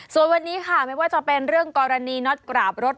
ส่วนวันนี้ค่ะไม่ว่าจะเป็นเรื่องกรณีน็อตกราบรถ